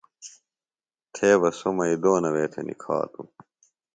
تھے بہ سوۡ مئیدونہ وے تھےۡ نِکھاتوۡ